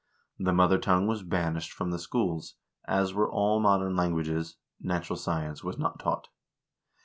The mother tongue was banished from the schools, as were all modern languages; natural science was not taught.